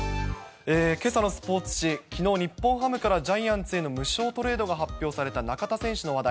けさのスポーツ紙、きのう、日本ハムからジャイアンツへの無償トレードが発表された中田選手の話題。